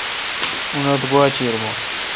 اونتھ گوا چیر بھون۔